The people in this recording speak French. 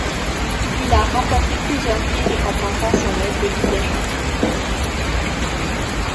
Il a remporté plusieurs prix récompensant son œuvre littéraire.